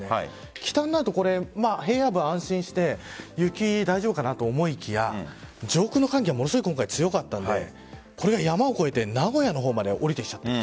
北になると平野部は安心して雪、大丈夫かなと思いきや上空の寒気がものすごく強かったので山を越えて名古屋の方まで降りてきちゃった。